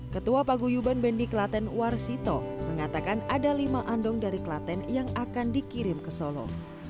ketua paguyuban bendi klaten warsito mengatakan ada lima andong dari klaten yang akan dikirim ke solo